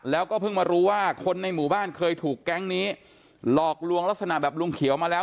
แล้วก็เพิ่งมารู้ว่าคนในหมู่บ้านเคยถูกแก๊งนี้